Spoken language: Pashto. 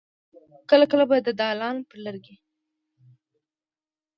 کله کله به د دالان پر لرګي.